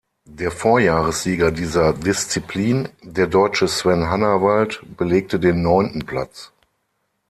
Der Vorjahressieger dieser Disziplin, der Deutsche Sven Hannawald, belegte den neunten Platz.